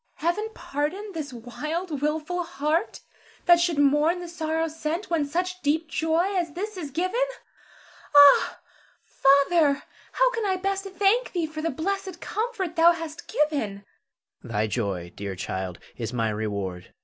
Zara. Heaven pardon this wild, wilful heart that should mourn the sorrow sent, when such deep joy as this is given. Ah, Father, how can I best thank thee for the blessed comfort thou hast given? Her. Thy joy, dear child, is my reward.